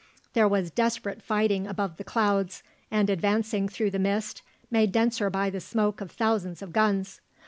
There was desperate fighting above the clouds, and advancing through the mist, made denser by the smoke of thousands of guns.